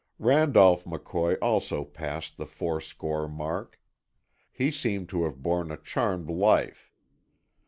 Randolph McCoy also passed the four score mark. He seemed to have borne a charmed life.